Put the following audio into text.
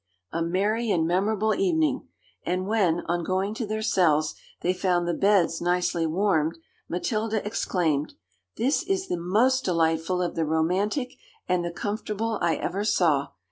A merry and memorable evening; and when, on going to their cells, they found the beds nicely warmed, Matilda exclaimed, 'This is the most delightful of the romantic and the comfortable I ever saw.